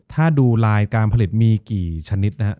ถ้าดูลายการผลิตมีกี่ชนิดนะครับ